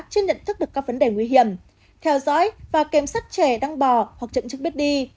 chưa nhận thức được các vấn đề nguy hiểm theo dõi và kiểm sát trẻ đăng bò hoặc trận chức biết đi